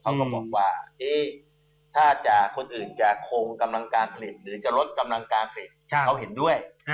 เขาก็บอกว่าถ้าคนอื่นจะคงกำลังการผลิตหรือจะลดกำลังการผลิตเขาเห็นด้วย